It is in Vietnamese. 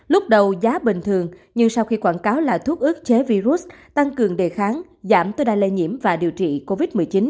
lúc đầu giá bình thường nhưng sau khi quảng cáo là thuốc ước chế virus tăng cường đề kháng giảm tối đa lây nhiễm và điều trị covid một mươi chín